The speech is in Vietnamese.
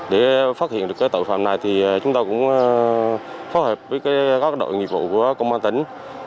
để phát hiện được tội phạm này thì chúng tôi cũng phối hợp với các đội nghiệp vụ của công an tỉnh